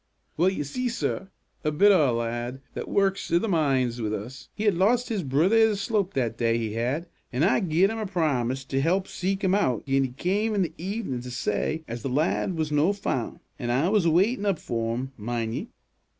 "Well, you see, sir, a bit o' a lad that works i' the mines wi' us, he had lost his brither i' the slope the day, he had; an' I gied him a promise to help seek him oot gin he cam' i' the evenin' to say as the lad was no' foond; an' I was a waitin' up for him, min' ye."